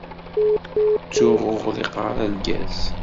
Ttuɣ ur ɣliqeɣ ara lgaz!